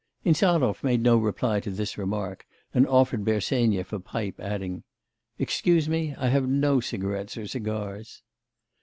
Insarov made no reply to this remark, and offered Bersenyev a pipe, adding: 'Excuse me, I have no cigarettes or cigars.